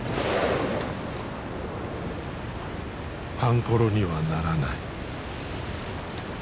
パンコロにはならない。